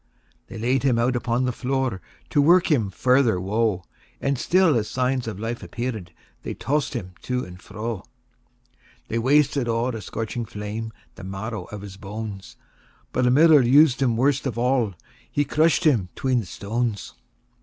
X. They laid him out upon the floor, To work him farther woe; And still, as signs of life appear'd, They toss'd him to and fro. XI. They wasted o'er a scorching flame The marrow of his bones; But a miller us'd him worst of all He crush'd him 'tween the stones.